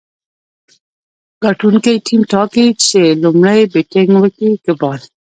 ګټونکی ټیم ټاکي، چي لومړی بېټينګ وکي که بال.